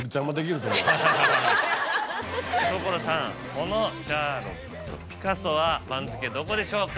このシャーロックとピカソは番付どこでしょうか。